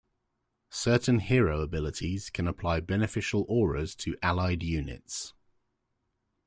Certain hero abilities can apply beneficial auras to allied units.